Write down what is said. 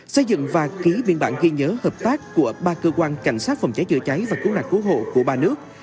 xây dựng và ký biên bản ghi nhớ hợp tác của ba cơ quan cảnh sát phòng cháy chữa cháy và cứu nạn cứu hộ của ba nước